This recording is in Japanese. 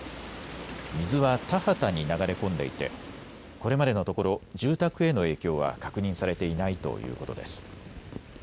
水は田畑に流れ込んでいてこれまでのところ住宅への影響は確認されていないということです。